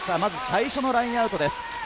最初のラインアウトです。